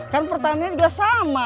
kan pertanyaan gak sama